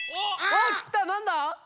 おっきたなんだ？